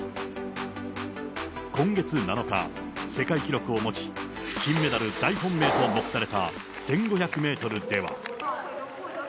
今月７日、世界記録を持ち、金メダル大本命と目された１５００メートルでは。